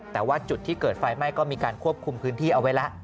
แต่ว่าจุดที่เกิดไฟไหม้ก็มีการควบคุมพื้นที่เอาไว้แล้ว